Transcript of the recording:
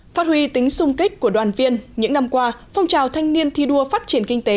phát huy tính sung kích của đoàn viên những năm qua phong trào thanh niên thi đua phát triển kinh tế